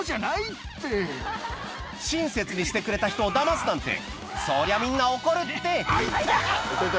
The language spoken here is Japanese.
親切にしてくれた人をだますなんてそりゃみんな怒るってあ痛っ！